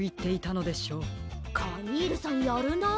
カニールさんやるな。